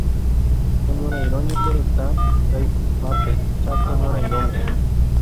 Oñorairõ ñane retã rayhupápe Chako ñorairõme.